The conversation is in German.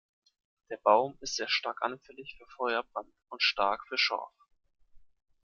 Der Baum ist sehr stark anfällig für Feuerbrand und stark für Schorf.